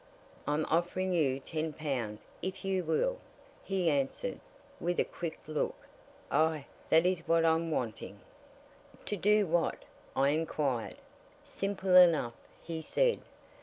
"I'm offering you ten pound if you will," he answered, with a quick look. "Aye, that is what I'm wanting!" "To do what?" I inquired. "Simple enough," he said.